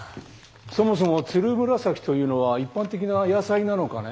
そもそもつるむらさきというのは一般的な野菜なのかね？